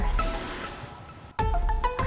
oh ini dia